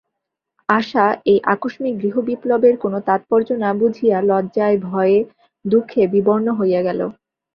আশা এই আকস্মিক গৃহবিপ্লবের কোনো তাৎপর্য না বুঝিয়া লজ্জায় ভয়ে দুঃখে বিবর্ণ হইয়া গেল।